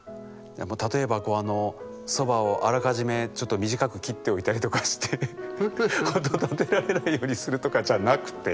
例えばあのそばをあらかじめちょっと短く切っておいたりとかして音を立てられないようにするとかじゃなくて。